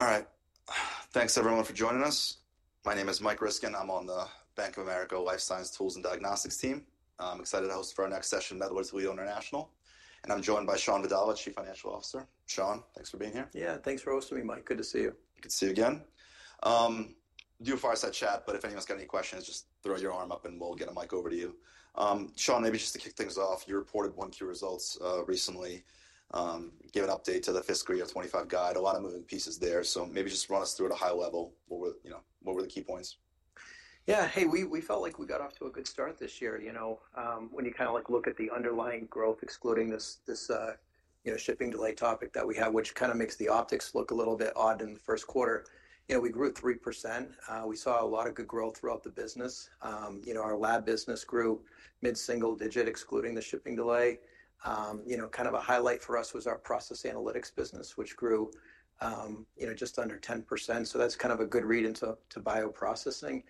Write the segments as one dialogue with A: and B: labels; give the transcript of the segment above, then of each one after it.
A: All right. Thanks, everyone, for joining us. My name is Mike Riskin. I'm on the Bank of America Life Science Tools and Diagnostics team. I'm excited to host for our next session, Mettler-Toledo International. And I'm joined by Shawn Vadala, Chief Financial Officer. Shawn, thanks for being here.
B: Yeah, thanks for hosting me, Mike. Good to see you.
A: Good to see you again. Do a fireside chat, but if anyone's got any questions, just throw your arm up and we'll get a mic over to you. Shawn, maybe just to kick things off, you reported one key result recently, gave an update to the Fiscal Year 2025 Guide. A lot of moving pieces there. Maybe just run us through at a high level, what were the key points?
B: Yeah, hey, we felt like we got off to a good start this year. You know, when you kind of look at the underlying growth, excluding this shipping delay topic that we have, which kind of makes the optics look a little bit odd in the first quarter, you know, we grew at 3%. We saw a lot of good growth throughout the business. You know, our lab business grew mid-single digit, excluding the shipping delay. You know, kind of a highlight for us was our process analytics business, which grew just under 10%. That is kind of a good read into bioprocessing.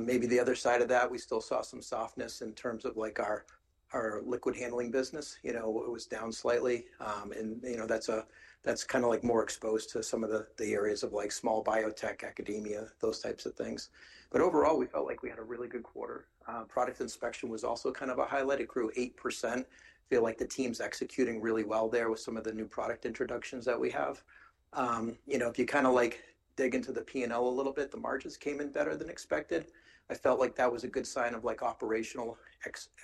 B: Maybe the other side of that, we still saw some softness in terms of our liquid handling business. You know, it was down slightly. And you know, that is kind of more exposed to some of the areas of small biotech, academia, those types of things. Overall, we felt like we had a really good quarter. Product inspection was also kind of a highlight. It grew 8%. I feel like the team's executing really well there with some of the new product introductions that we have. You know, if you kind of dig into the P&L a little bit, the margins came in better than expected. I felt like that was a good sign of operational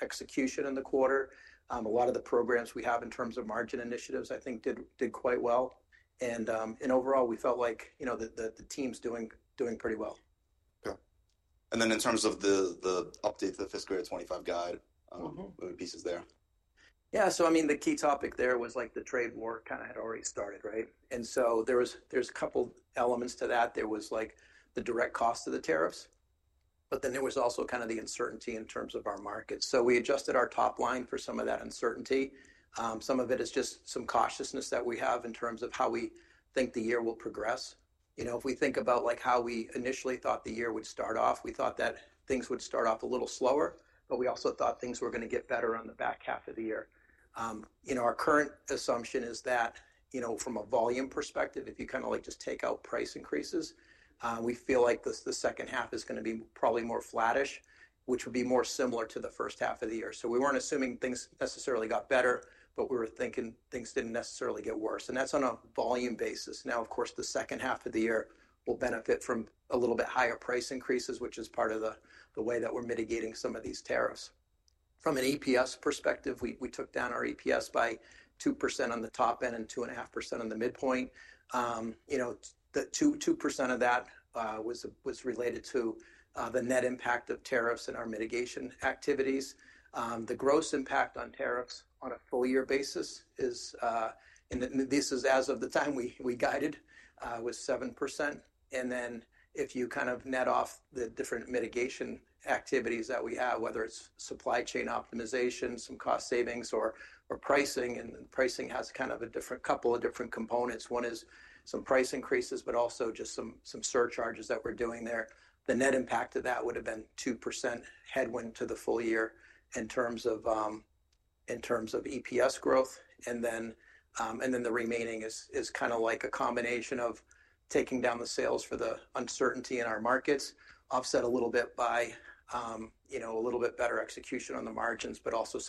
B: execution in the quarter. A lot of the programs we have in terms of margin initiatives, I think, did quite well. Overall, we felt like the team's doing pretty well.
A: Okay. In terms of the update to the Fiscal Year 2025 guide, what were the pieces there?
B: Yeah, so I mean, the key topic there was the trade war kind of had already started, right? And so there is a couple of elements to that. There was the direct cost of the tariffs, but then there was also kind of the uncertainty in terms of our market. So we adjusted our top line for some of that uncertainty. Some of it is just some cautiousness that we have in terms of how we think the year will progress. You know, if we think about how we initially thought the year would start off, we thought that things would start off a little slower, but we also thought things were going to get better on the back half of the year. You know, our current assumption is that, you know, from a volume perspective, if you kind of just take out price increases, we feel like the second half is going to be probably more flattish, which would be more similar to the first half of the year. We were not assuming things necessarily got better, but we were thinking things did not necessarily get worse. That is on a volume basis. Now, of course, the second half of the year will benefit from a little bit higher price increases, which is part of the way that we are mitigating some of these tariffs. From an EPS perspective, we took down our EPS by 2% on the top end and 2.5% on the midpoint. You know, 2% of that was related to the net impact of tariffs and our mitigation activities. The gross impact on tariffs on a full year basis is, and this is as of the time we guided, was 7%. If you kind of net off the different mitigation activities that we have, whether it's supply chain optimization, some cost savings, or pricing, and pricing has kind of a different couple of different components. One is some price increases, but also just some surcharges that we're doing there. The net impact of that would have been a 2% headwind to the full year in terms of EPS growth. The remaining is kind of like a combination of taking down the sales for the uncertainty in our markets, offset a little bit by a little bit better execution on the margins, but also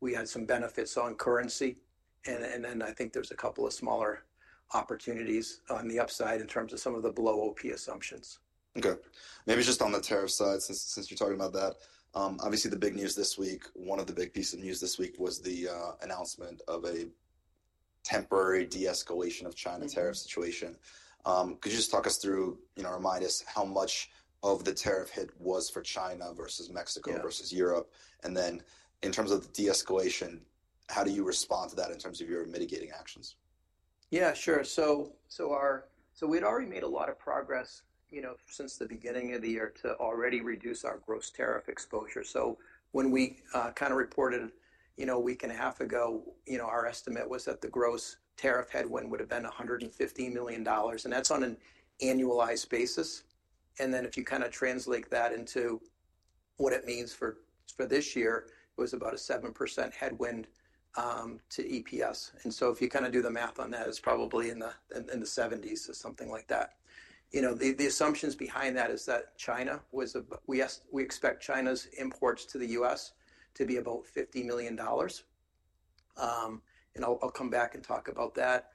B: we had some benefits on currency. I think there's a couple of smaller opportunities on the upside in terms of some of the below OP assumptions.
A: Okay. Maybe just on the tariff side, since you're talking about that, obviously the big news this week, one of the big pieces of news this week was the announcement of a temporary de-escalation of China tariff situation. Could you just talk us through, remind us how much of the tariff hit was for China versus Mexico versus Europe? In terms of the de-escalation, how do you respond to that in terms of your mitigating actions?
B: Yeah, sure. So we'd already made a lot of progress since the beginning of the year to already reduce our gross tariff exposure. When we kind of reported a week and a half ago, our estimate was that the gross tariff headwind would have been $150 million. That's on an annualized basis. If you kind of translate that into what it means for this year, it was about a 7% headwind to EPS. If you kind of do the math on that, it's probably in the 70s or something like that. You know, the assumptions behind that is that China was, we expect China's imports to the U.S. to be about $50 million. I'll come back and talk about that.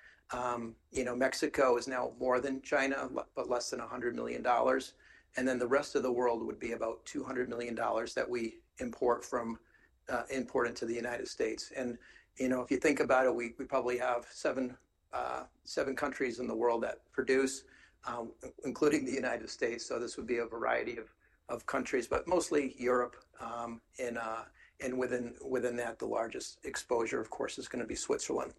B: You know, Mexico is now more than China, but less than $100 million. The rest of the world would be about $200 million that we import from, import into the United States. You know, if you think about it, we probably have seven countries in the world that produce, including the United States. This would be a variety of countries, but mostly Europe. Within that, the largest exposure, of course, is going to be Switzerland.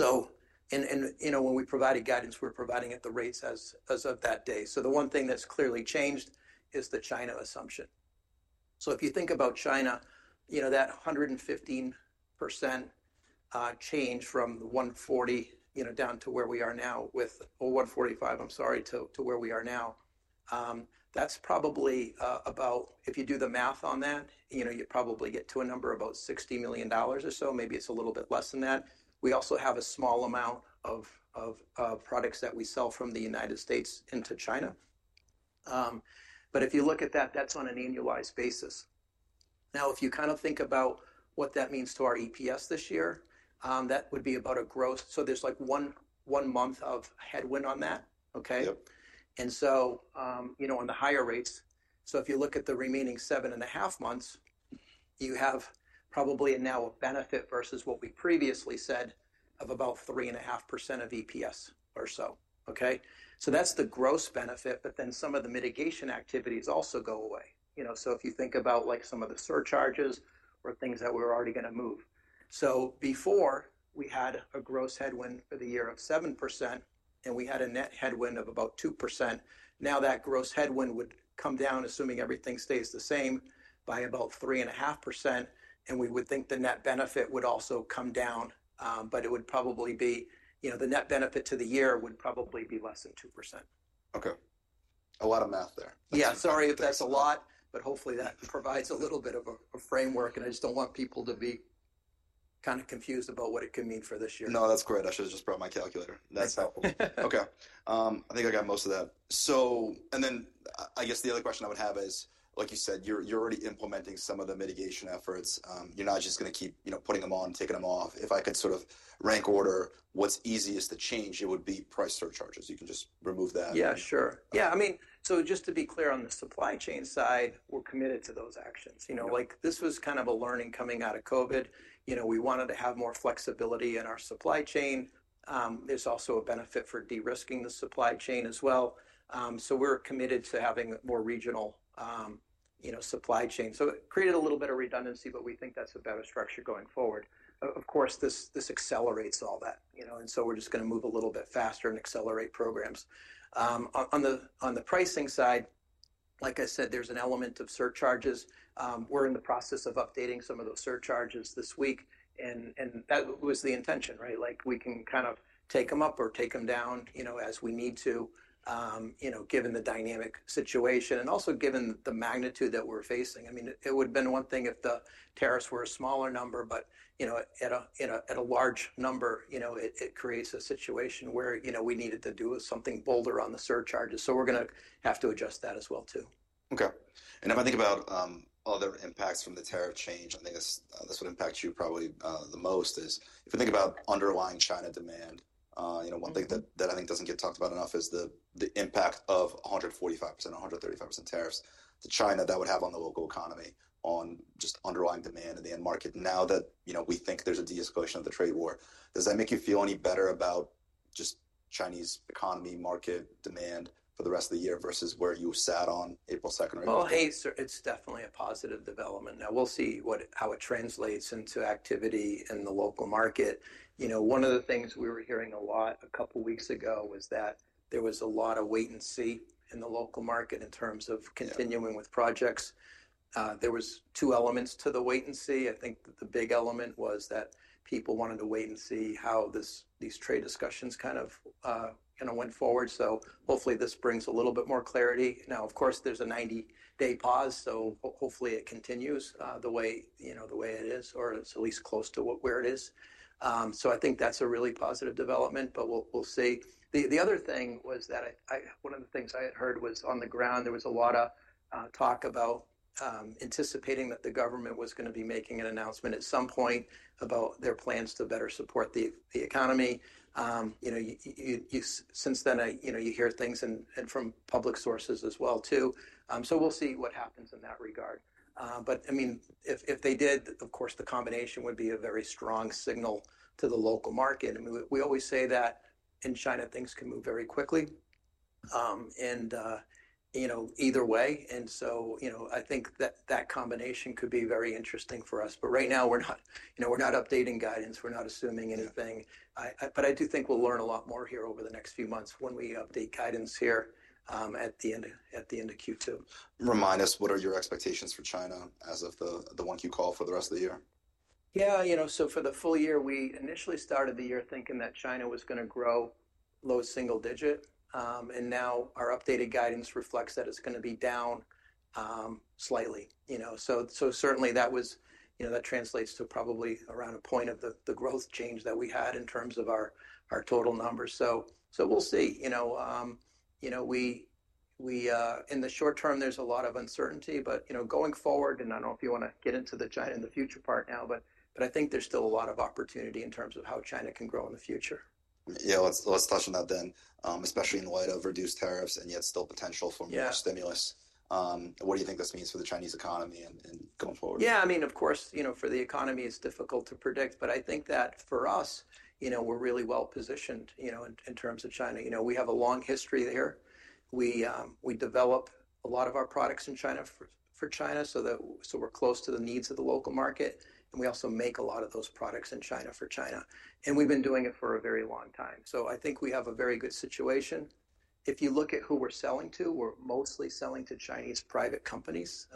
B: When we provided guidance, we were providing at the rates as of that day. The one thing that's clearly changed is the China assumption. If you think about China, you know, that 115% change from 140 down to where we are now with, or 145, I'm sorry, to where we are now, that's probably about, if you do the math on that, you probably get to a number of about $60 million or so. Maybe it is a little bit less than that. We also have a small amount of products that we sell from the United States into China. If you look at that, that is on an annualized basis. Now, if you kind of think about what that means to our EPS this year, that would be about a gross, so there is like one month of headwind on that, okay?
A: Yep.
B: You know, on the higher rates, if you look at the remaining seven and a half months, you have probably now a benefit versus what we previously said of about 3.5% of EPS or so, okay? That is the gross benefit, but then some of the mitigation activities also go away. You know, if you think about some of the surcharges or things that we are already going to move. Before, we had a gross headwind for the year of 7%, and we had a net headwind of about 2%. Now that gross headwind would come down, assuming everything stays the same, by about 3.5%, and we would think the net benefit would also come down, but it would probably be, you know, the net benefit to the year would probably be less than 2%.
A: Okay. A lot of math there.
B: Yeah, sorry if that's a lot, but hopefully that provides a little bit of a framework, and I just don't want people to be kind of confused about what it could mean for this year.
A: No, that's great. I should have just brought my calculator. That's helpful. Okay. I think I got most of that. So, and then I guess the other question I would have is, like you said, you're already implementing some of the mitigation efforts. You're not just going to keep putting them on and taking them off. If I could sort of rank order what's easiest to change, it would be price surcharges. You can just remove that.
B: Yeah, sure. Yeah, I mean, so just to be clear on the supply chain side, we're committed to those actions. You know, like this was kind of a learning coming out of COVID. You know, we wanted to have more flexibility in our supply chain. There's also a benefit for de-risking the supply chain as well. So we're committed to having more regional supply chain. It created a little bit of redundancy, but we think that's a better structure going forward. Of course, this accelerates all that. You know, we're just going to move a little bit faster and accelerate programs. On the pricing side, like I said, there's an element of surcharges. We're in the process of updating some of those surcharges this week. That was the intention, right? Like we can kind of take them up or take them down as we need to, given the dynamic situation and also given the magnitude that we're facing. I mean, it would have been one thing if the tariffs were a smaller number, but at a large number, it creates a situation where we needed to do something bolder on the surcharges. We are going to have to adjust that as well too.
A: Okay. If I think about other impacts from the tariff change, I think this would impact you probably the most if you think about underlying China demand. One thing that I think does not get talked about enough is the impact of 145%, 135% tariffs to China that would have on the local economy, on just underlying demand in the end market. Now that we think there is a de-escalation of the trade war, does that make you feel any better about just Chinese economy, market demand for the rest of the year versus where you sat on April 2 or April 3?
B: It is definitely a positive development. Now, we'll see how it translates into activity in the local market. You know, one of the things we were hearing a lot a couple of weeks ago was that there was a lot of wait and see in the local market in terms of continuing with projects. There were two elements to the wait and see. I think the big element was that people wanted to wait and see how these trade discussions kind of went forward. Hopefully this brings a little bit more clarity. Now, of course, there is a 90-day pause, so hopefully it continues the way it is or it is at least close to where it is. I think that is a really positive development, but we'll see. The other thing was that one of the things I had heard was on the ground, there was a lot of talk about anticipating that the government was going to be making an announcement at some point about their plans to better support the economy. Since then, you hear things from public sources as well too. We will see what happens in that regard. I mean, if they did, of course, the combination would be a very strong signal to the local market. I mean, we always say that in China, things can move very quickly and either way. I think that that combination could be very interesting for us. Right now, we are not updating guidance. We are not assuming anything. I do think we will learn a lot more here over the next few months when we update guidance here at the end of Q2.
A: Remind us, what are your expectations for China as of the one call for the rest of the year?
B: Yeah, you know, so for the full year, we initially started the year thinking that China was going to grow low single digit. And now our updated guidance reflects that it is going to be down slightly. You know, so certainly that translates to probably around a point of the growth change that we had in terms of our total numbers. So we'll see. You know, in the short term, there is a lot of uncertainty, but going forward, and I do not know if you want to get into the China in the future part now, but I think there is still a lot of opportunity in terms of how China can grow in the future.
A: Yeah, let's touch on that then, especially in light of reduced tariffs and yet still potential for more stimulus. What do you think this means for the Chinese economy and going forward?
B: Yeah, I mean, of course, you know, for the economy, it's difficult to predict, but I think that for us, you know, we're really well positioned in terms of China. You know, we have a long history here. We develop a lot of our products in China for China, so we're close to the needs of the local market. And we also make a lot of those products in China for China. And we've been doing it for a very long time. I think we have a very good situation. If you look at who we're selling to, we're mostly selling to Chinese private companies,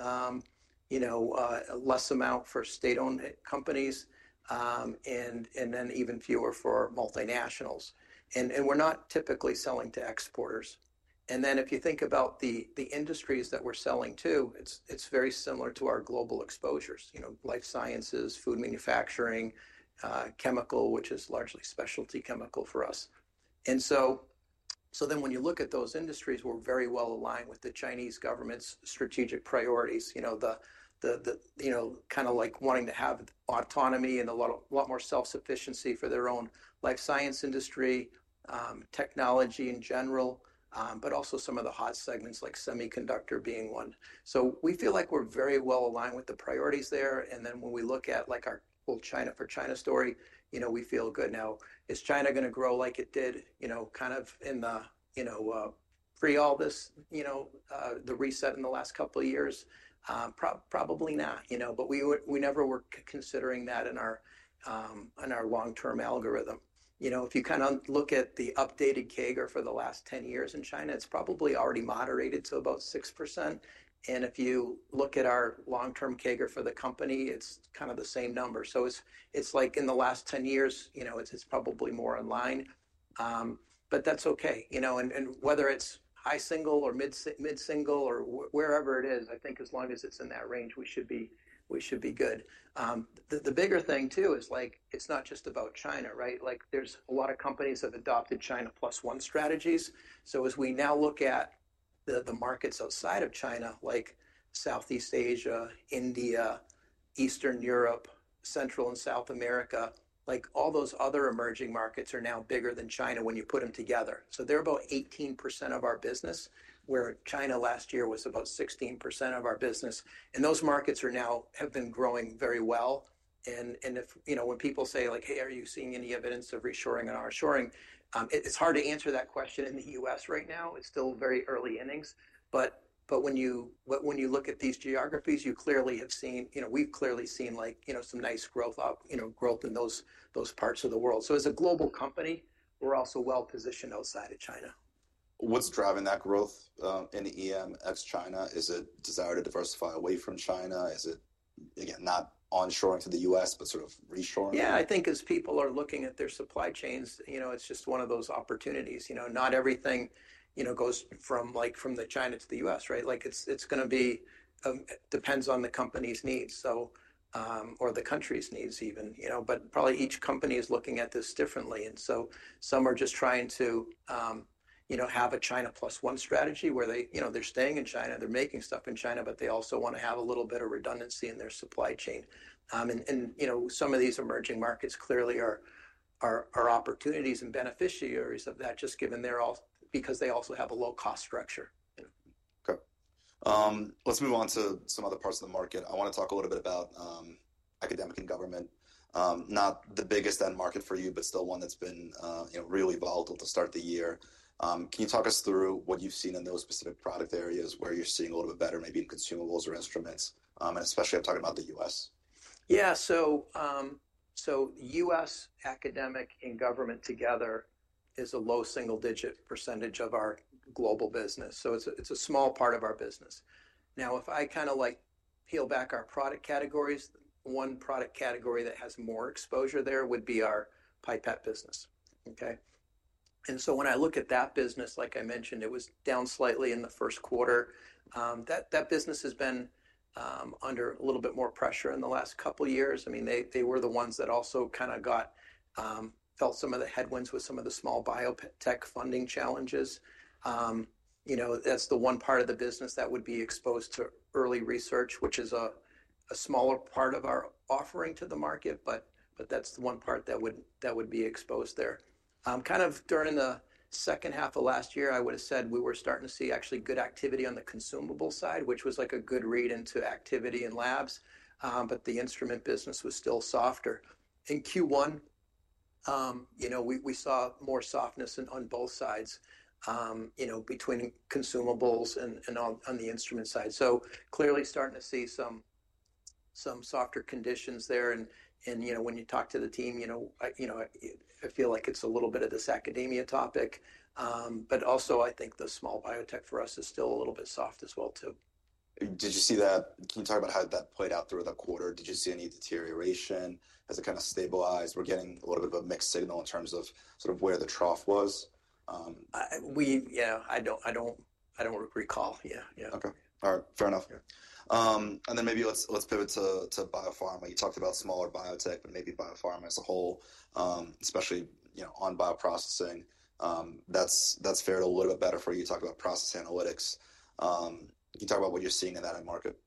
B: you know, less amount for state-owned companies, and then even fewer for multinationals. We're not typically selling to exporters. If you think about the industries that we're selling to, it's very similar to our global exposures, you know, life sciences, food manufacturing, chemical, which is largely specialty chemical for us. When you look at those industries, we're very well aligned with the Chinese government's strategic priorities, you know, kind of like wanting to have autonomy and a lot more self-sufficiency for their own life science industry, technology in general, but also some of the hot segments like semiconductor being one. We feel like we're very well aligned with the priorities there. When we look at like our whole China for China story, you know, we feel good. Now, is China going to grow like it did, you know, kind of in the, you know, pre all this, you know, the reset in the last couple of years? Probably not, you know, but we never were considering that in our long-term algorithm. You know, if you kind of look at the updated CAGR for the last 10 years in China, it's probably already moderated to about 6%. And if you look at our long-term CAGR for the company, it's kind of the same number. So it's like in the last 10 years, you know, it's probably more in line. But that's okay. You know, and whether it's high single or mid single or wherever it is, I think as long as it's in that range, we should be good. The bigger thing too is like it's not just about China, right? Like there's a lot of companies that have adopted China plus one strategies. As we now look at the markets outside of China, like Southeast Asia, India, Eastern Europe, Central and South America, all those other emerging markets are now bigger than China when you put them together. They are about 18% of our business, where China last year was about 16% of our business. Those markets have been growing very well. You know, when people say, like, hey, are you seeing any evidence of reshoring and our shoring, it is hard to answer that question in the U.S. right now. It is still very early innings. When you look at these geographies, you clearly have seen, you know, we have clearly seen, like, some nice growth in those parts of the world. As a global company, we are also well positioned outside of China.
A: What's driving that growth in the EM ex-China? Is it desire to diversify away from China? Is it, again, not onshoring to the US, but sort of reshoring?
B: Yeah, I think as people are looking at their supply chains, you know, it's just one of those opportunities. You know, not everything goes from like from China to the U.S., right? Like it's going to be, depends on the company's needs or the country's needs even, you know, but probably each company is looking at this differently. Some are just trying to, you know, have a China plus one strategy where they, you know, they're staying in China, they're making stuff in China, but they also want to have a little bit of redundancy in their supply chain. You know, some of these emerging markets clearly are opportunities and beneficiaries of that just given they're all, because they also have a low-cost structure.
A: Okay. Let's move on to some other parts of the market. I want to talk a little bit about academic and government. Not the biggest end market for you, but still one that's been really volatile to start the year. Can you talk us through what you've seen in those specific product areas where you're seeing a little bit better, maybe in consumables or instruments? Especially I'm talking about the U.S.
B: Yeah, US, academic, and government together is a low single-digit percentage of our global business. It is a small part of our business. Now, if I kind of like peel back our product categories, one product category that has more exposure there would be our pipette business, okay? When I look at that business, like I mentioned, it was down slightly in the first quarter. That business has been under a little bit more pressure in the last couple of years. I mean, they were the ones that also kind of felt some of the headwinds with some of the small biotech funding challenges. You know, that is the one part of the business that would be exposed to early research, which is a smaller part of our offering to the market, but that is the one part that would be exposed there. Kind of during the second half of last year, I would have said we were starting to see actually good activity on the consumable side, which was like a good read into activity in labs, but the instrument business was still softer. In Q1, you know, we saw more softness on both sides, you know, between consumables and on the instrument side. Clearly starting to see some softer conditions there. You know, when you talk to the team, you know, I feel like it is a little bit of this academia topic, but also I think the small biotech for us is still a little bit soft as well too.
A: Did you see that? Can you talk about how that played out through the quarter? Did you see any deterioration? Has it kind of stabilized? We're getting a little bit of a mixed signal in terms of sort of where the trough was.
B: You know, I don't recall. Yeah, yeah.
A: Okay. All right. Fair enough. Maybe let's pivot to biopharma. You talked about smaller biotech, but maybe biopharma as a whole, especially, you know, on bioprocessing. That’s fared a little bit better for you. You talked about process analytics. Can you talk about what you're seeing in that end market?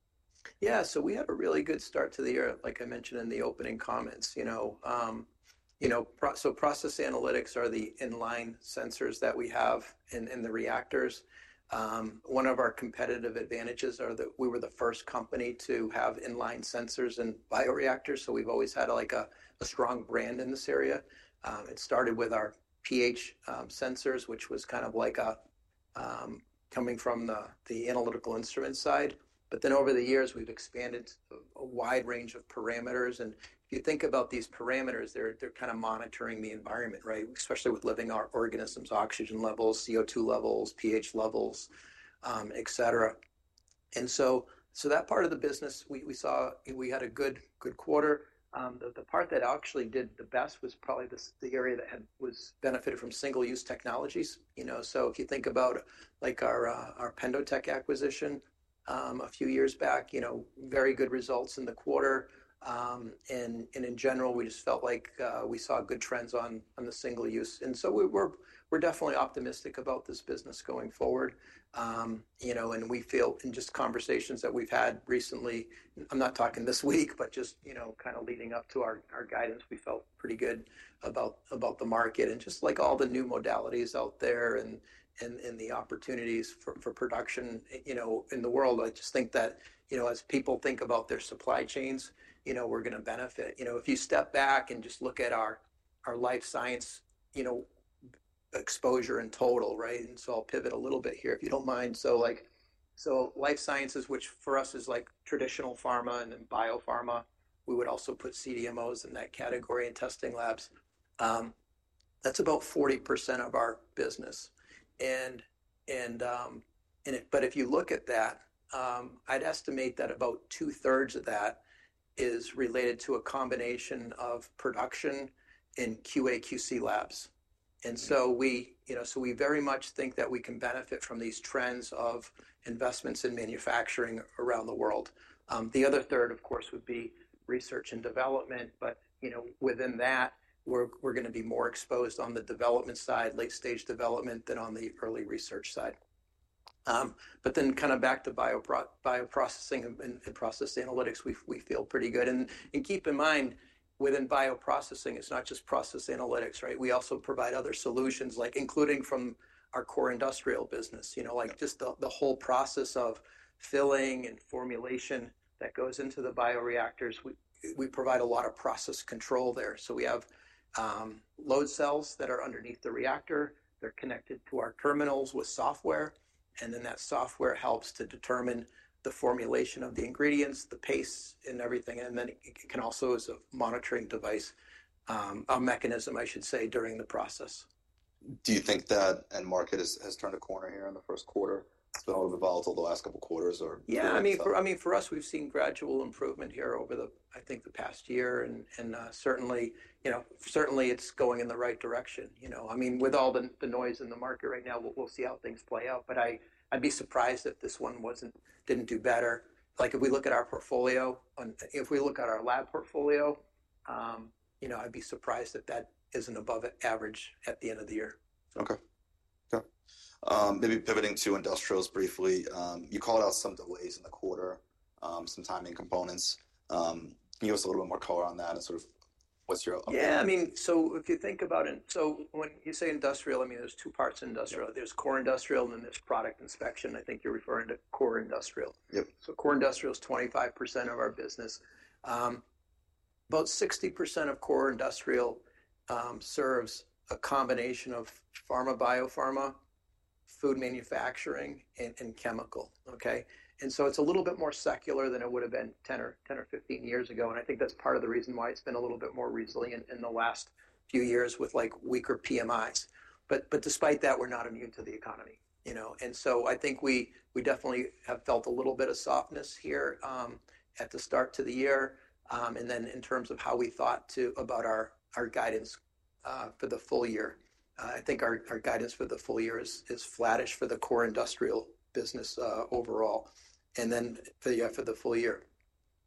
B: Yeah, so we had a really good start to the year, like I mentioned in the opening comments. You know, process analytics are the inline sensors that we have in the reactors. One of our competitive advantages is that we were the first company to have inline sensors in bioreactors. So we've always had like a strong brand in this area. It started with our pH sensors, which was kind of like coming from the analytical instrument side. But then over the years, we've expanded a wide range of parameters. And if you think about these parameters, they're kind of monitoring the environment, right? Especially with living organisms, oxygen levels, CO2 levels, pH levels, etc. And so that part of the business, we saw we had a good quarter. The part that actually did the best was probably the area that had benefited from single-use technologies. You know, so if you think about like our PendoTech acquisition a few years back, you know, very good results in the quarter. In general, we just felt like we saw good trends on the single-use. We are definitely optimistic about this business going forward. You know, and we feel in just conversations that we have had recently, I am not talking this week, but just, you know, kind of leading up to our guidance, we felt pretty good about the market and just like all the new modalities out there and the opportunities for production, you know, in the world. I just think that, you know, as people think about their supply chains, you know, we are going to benefit. You know, if you step back and just look at our life science, you know, exposure in total, right? I'll pivot a little bit here if you don't mind. Life sciences, which for us is like traditional pharma and then biopharma, we would also put CDMOs in that category and testing labs. That's about 40% of our business. If you look at that, I'd estimate that about two-thirds of that is related to a combination of production in QA/QC labs. We very much think that we can benefit from these trends of investments in manufacturing around the world. The other third, of course, would be research and development, but within that, we're going to be more exposed on the development side, late-stage development than on the early research side. Kind of back to bioprocessing and process analytics, we feel pretty good. Keep in mind, within bioprocessing, it's not just process analytics, right? We also provide other solutions, like including from our core industrial business, you know, like just the whole process of filling and formulation that goes into the bioreactors. We provide a lot of process control there. We have load cells that are underneath the reactor. They're connected to our terminals with software. That software helps to determine the formulation of the ingredients, the paste, and everything. It can also be a monitoring device, a mechanism, I should say, during the process.
A: Do you think that end market has turned a corner here in the first quarter? It's been a little bit volatile the last couple of quarters, or?
B: Yeah, I mean, for us, we've seen gradual improvement here over the, I think, the past year. And certainly, you know, certainly it's going in the right direction. You know, I mean, with all the noise in the market right now, we'll see how things play out. But I'd be surprised if this one didn't do better. Like if we look at our portfolio, if we look at our lab portfolio, you know, I'd be surprised if that isn't above average at the end of the year.
A: Okay. Okay. Maybe pivoting to industrials briefly. You called out some delays in the quarter, some timing components. Can you give us a little bit more color on that and sort of what's your?
B: Yeah, I mean, so if you think about it, when you say industrial, I mean, there are two parts in industrial. There is core industrial and then there is product inspection. I think you are referring to core industrial. Core industrial is 25% of our business. About 60% of core industrial serves a combination of pharma, biopharma, food manufacturing, and chemical, okay? It is a little bit more secular than it would have been 10 or 15 years ago. I think that is part of the reason why it has been a little bit more resilient in the last few years with like weaker PMIs. Despite that, we are not immune to the economy, you know? I think we definitely have felt a little bit of softness here at the start to the year. In terms of how we thought about our guidance for the full year, I think our guidance for the full year is flattish for the core industrial business overall. For the full year,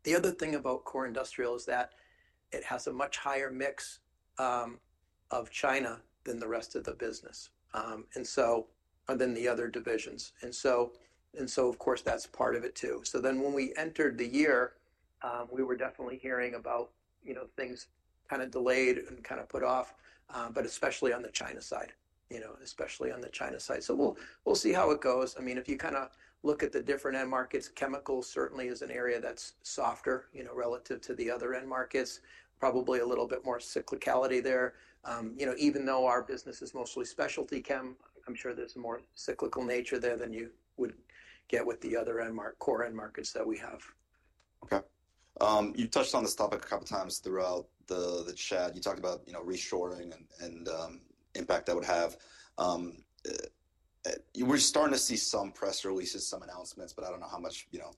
B: the other thing about core industrial is that it has a much higher mix of China than the rest of the business and the other divisions. Of course, that's part of it too. When we entered the year, we were definitely hearing about things kind of delayed and kind of put off, especially on the China side. We'll see how it goes. If you kind of look at the different end markets, chemicals certainly is an area that's softer relative to the other end markets. Probably a little bit more cyclicality there. You know, even though our business is mostly specialty chem, I'm sure there's a more cyclical nature there than you would get with the other core end markets that we have.
A: Okay. You touched on this topic a couple of times throughout the chat. You talked about, you know, reshoring and the impact that would have. We're starting to see some press releases, some announcements, but I don't know how much, you know,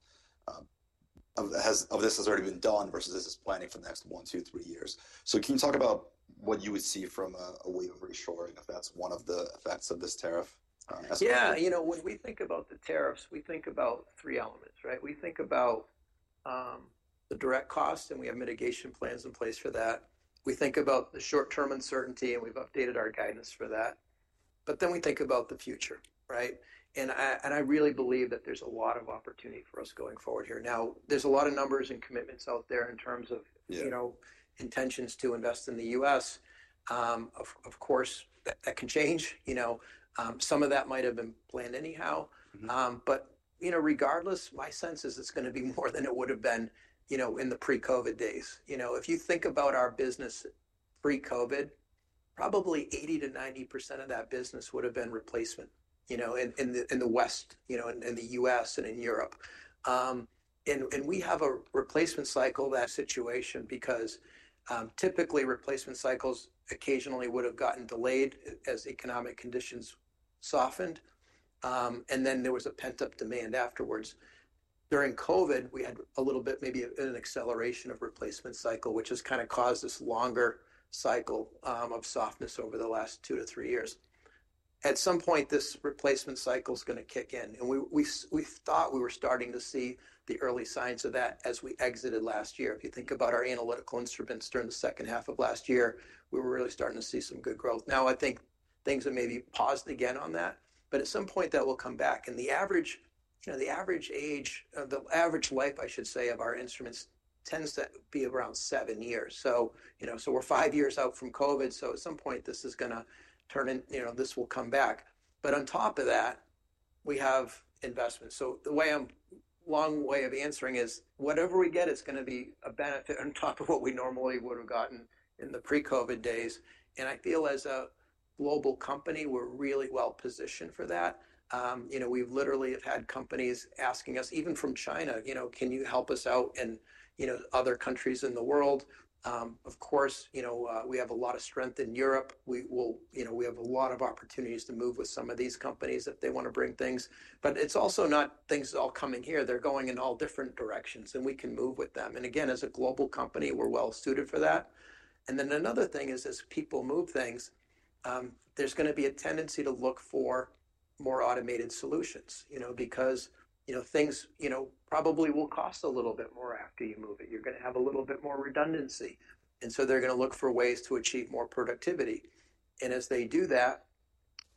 A: of this has already been done versus this is planning for the next one, two, three years. Can you talk about what you would see from a wave of reshoring, if that's one of the effects of this tariff?
B: Yeah, you know, when we think about the tariffs, we think about three elements, right? We think about the direct cost and we have mitigation plans in place for that. We think about the short-term uncertainty and we have updated our guidance for that. Then we think about the future, right? I really believe that there is a lot of opportunity for us going forward here. Now, there are a lot of numbers and commitments out there in terms of, you know, intentions to invest in the U.S. Of course, that can change, you know? Some of that might have been planned anyhow. Regardless, my sense is it is going to be more than it would have been, you know, in the pre-COVID days. You know, if you think about our business pre-COVID, probably 80-90% of that business would have been replacement, you know, in the West, you know, in the U.S. and in Europe. And we have a replacement cycle situation because typically replacement cycles occasionally would have gotten delayed as economic conditions softened. And then there was a pent-up demand afterwards. During COVID, we had a little bit maybe an acceleration of replacement cycle, which has kind of caused this longer cycle of softness over the last two to three years. At some point, this replacement cycle is going to kick in. And we thought we were starting to see the early signs of that as we exited last year. If you think about our analytical instruments during the second half of last year, we were really starting to see some good growth. Now, I think things are maybe paused again on that, but at some point that will come back. The average, you know, the average age, the average life, I should say, of our instruments tends to be around seven years. You know, so we are five years out from COVID. At some point, this is going to turn in, you know, this will come back. On top of that, we have investments. The way, I am long way of answering is whatever we get, it is going to be a benefit on top of what we normally would have gotten in the pre-COVID days. I feel as a global company, we are really well positioned for that. You know, we have literally had companies asking us, even from China, you know, can you help us out in, you know, other countries in the world? Of course, you know, we have a lot of strength in Europe. We will, you know, we have a lot of opportunities to move with some of these companies if they want to bring things. It is also not things all coming here. They are going in all different directions and we can move with them. Again, as a global company, we are well suited for that. Another thing is as people move things, there is going to be a tendency to look for more automated solutions, you know, because, you know, things, you know, probably will cost a little bit more after you move it. You are going to have a little bit more redundancy. They are going to look for ways to achieve more productivity. As they do that,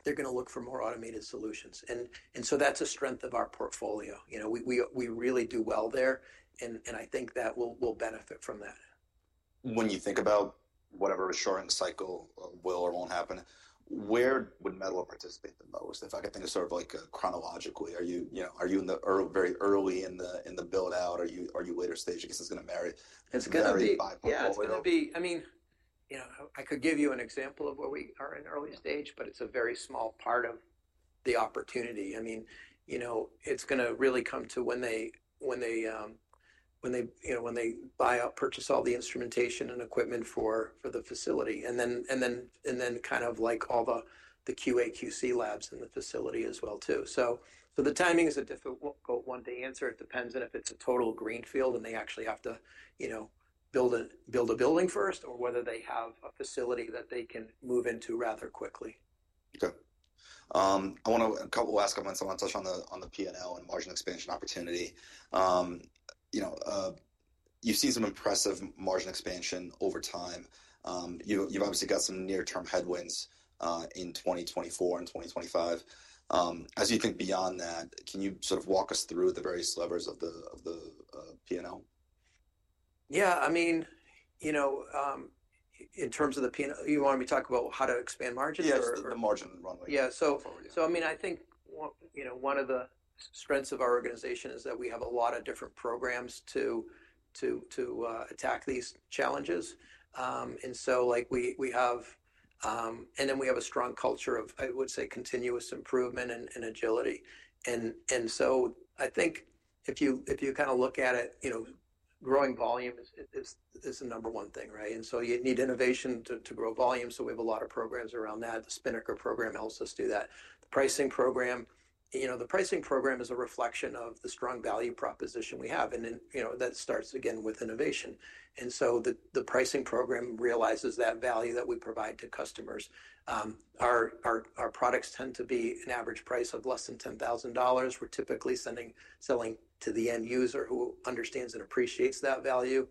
B: they are going to look for more automated solutions. That is a strength of our portfolio. You know, we really do well there. I think that will benefit from that.
A: When you think about whatever reshoring cycle will or won't happen, where would Mettler participate the most? If I could think of sort of like chronologically, are you, you know, are you in the very early in the build-out? Are you later stage? I guess it's going to marry.
B: It's going to be, I mean, you know, I could give you an example of where we are in early stage, but it's a very small part of the opportunity. I mean, you know, it's going to really come to when they, you know, when they buy out, purchase all the instrumentation and equipment for the facility. And then kind of like all the QA/QC labs in the facility as well too. The timing is a difficult one to answer. It depends on if it's a total greenfield and they actually have to, you know, build a building first or whether they have a facility that they can move into rather quickly.
A: Okay. I want to last couple of minutes on the P&L and margin expansion opportunity. You know, you've seen some impressive margin expansion over time. You've obviously got some near-term headwinds in 2024 and 2025. As you think beyond that, can you sort of walk us through the various levers of the P&L?
B: Yeah, I mean, you know, in terms of the P&L, you want me to talk about how to expand margins or?
A: Yes, the margin runway.
B: Yeah. I mean, I think, you know, one of the strengths of our organization is that we have a lot of different programs to attack these challenges. I mean, we have a strong culture of, I would say, continuous improvement and agility. I think if you kind of look at it, you know, growing volume is the number one thing, right? You need innovation to grow volume. We have a lot of programs around that. The Spinnaker program helps us do that. The pricing program, you know, the pricing program is a reflection of the strong value proposition we have. That starts again with innovation. The pricing program realizes that value that we provide to customers. Our products tend to be an average price of less than $10,000. We're typically selling to the end user who understands and appreciates that value.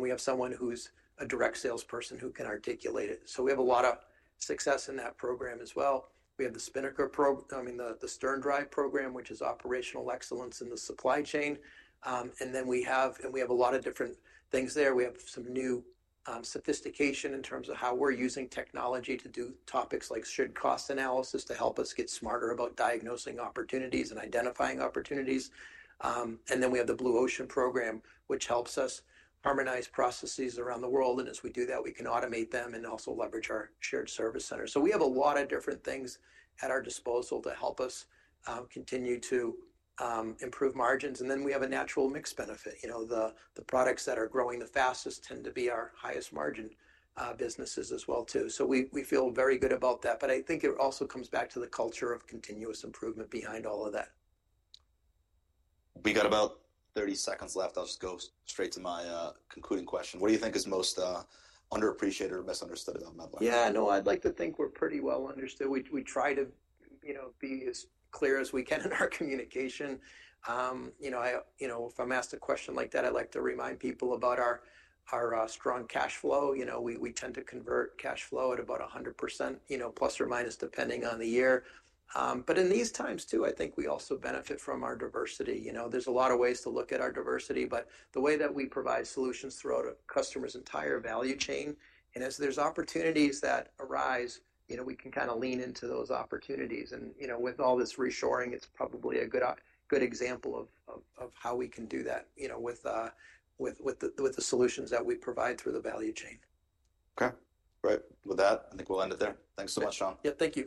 B: We have someone who's a direct salesperson who can articulate it. We have a lot of success in that program as well. We have the Spinnaker program, I mean, the StarDrive program, which is operational excellence in the supply chain. We have a lot of different things there. We have some new sophistication in terms of how we're using technology to do topics like shared cost analysis to help us get smarter about diagnosing opportunities and identifying opportunities. We have the Blue Ocean program, which helps us harmonize processes around the world. As we do that, we can automate them and also leverage our shared service center. We have a lot of different things at our disposal to help us continue to improve margins. We have a natural mix benefit. You know, the products that are growing the fastest tend to be our highest margin businesses as well too. We feel very good about that. I think it also comes back to the culture of continuous improvement behind all of that.
A: We got about 30 seconds left. I'll just go straight to my concluding question. What do you think is most underappreciated or misunderstood about Mettler?
B: Yeah, no, I'd like to think we're pretty well understood. We try to, you know, be as clear as we can in our communication. You know, if I'm asked a question like that, I'd like to remind people about our strong cash flow. You know, we tend to convert cash flow at about 100%, plus or minus depending on the year. But in these times too, I think we also benefit from our diversity. You know, there's a lot of ways to look at our diversity, but the way that we provide solutions throughout a customer's entire value chain. As there's opportunities that arise, you know, we can kind of lean into those opportunities. You know, with all this reshoring, it's probably a good example of how we can do that, you know, with the solutions that we provide through the value chain.
A: Okay. Right. With that, I think we'll end it there. Thanks so much, Shaun.
C: Yeah. Thank you.